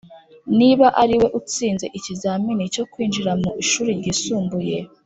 niba ariwe utsinze ikizami cyo kwinjira mu ishuri ryisumbuye,